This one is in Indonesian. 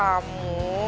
ya cuman gimana ya